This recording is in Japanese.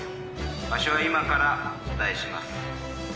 場所は今からお伝えします。